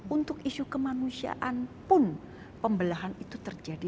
untuk isu kemanusiaan pun pembelahan itu terjadi